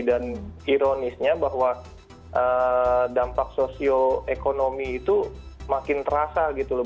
dan ironisnya bahwa dampak sosioekonomi itu makin terasa gitu loh